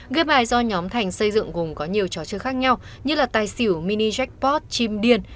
ghép bài do nhóm thành xây dựng gồm có nhiều trò chơi khác nhau như là tài xỉu mini jackpot chim điên